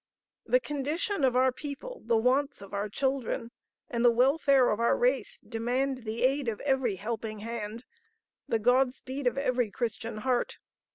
The condition of our people, the wants of our children, and the welfare of our race demand the aid of every helping hand, the God speed of every Christian heart.